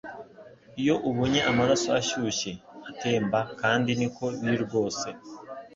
iyo ubonye amaraso ashyushye atemba kandi niko biri rwose